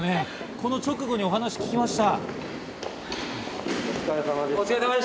この直後にお話を聞きました。